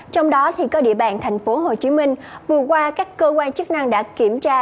trong đó có địa bàn tp hcm vừa qua các cơ quan chức năng đã kiểm tra